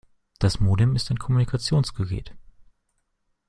Das Modem ist ein Kommunikationsgerät.